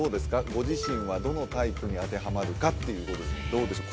ご自身はどのタイプに当てはまるかっていう部分でどうでしょう？